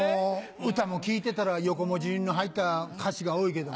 歌も聴いてたら横文字の入った歌詞が多いけど。